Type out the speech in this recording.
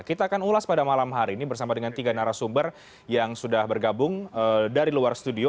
kita akan ulas pada malam hari ini bersama dengan tiga narasumber yang sudah bergabung dari luar studio